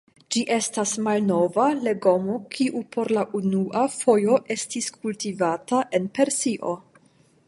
Ĝi estas malnova legomo kiu por la unua fojo estis kultivata en Persio.